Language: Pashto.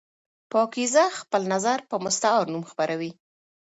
پاکیزه خپل نظر په مستعار نوم خپروي.